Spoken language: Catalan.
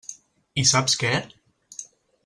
I saps què?